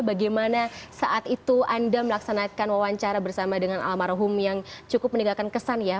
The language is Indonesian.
bagaimana saat itu anda melaksanakan wawancara bersama dengan almarhum yang cukup meninggalkan kesan ya